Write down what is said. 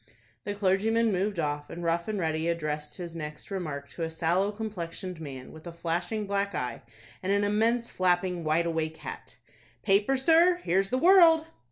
The clergyman moved off, and Rough and Ready addressed his next remark to a sallow complexioned man, with a flashing black eye, and an immense flapping wide awake hat. "Paper, sir? Here's the 'World'!"